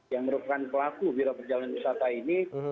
yang merupakan pelaku biro perjalanan wisata ini